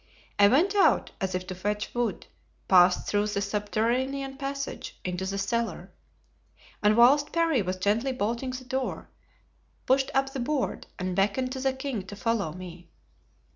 I went out as if to fetch wood, passed through the subterranean passage into the cellar, and whilst Parry was gently bolting the door, pushed up the board and beckoned to the king to follow me.